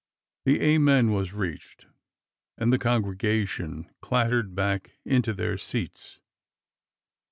The "Amen" was reached and the congregation clattered back into their seats.